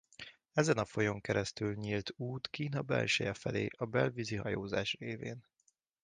Ezen a folyón keresztül nyílt út Kína belseje felé a belvízi hajózás révén.